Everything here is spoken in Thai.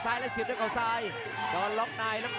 แชลเบียนชาวเล็ก